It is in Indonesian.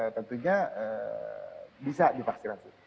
tentunya bisa divaksinasi